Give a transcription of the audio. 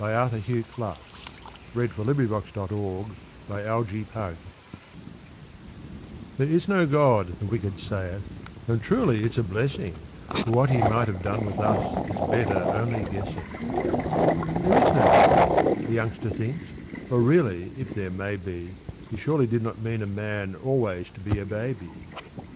Arthur Hugh Clough There is no god, the wicked sayeth "THERE is no God," the wicked saith, "And truly it's a blessing, For what He might have done with us It's better only guessing." "There is no God," a youngster thinks, "or really, if there may be, He surely did not mean a man Always to be a baby."